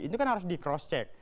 itu kan harus di cross check